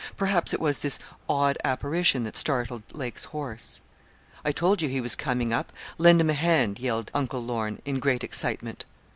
Perhaps it was this odd apparition that startled Lake's horse. 'I told you he was coming up lend him a hand,' yelled Uncle Lorne, in great excitement.